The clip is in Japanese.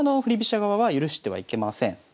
振り飛車側は許してはいけません。